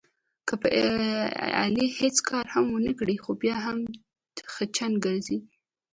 که په علي هېڅ کار هم ونه کړې، خو بیا هم خچن ګرځي.